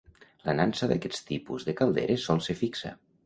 La nansa d'aquest tipus de calderes sol ser fixa.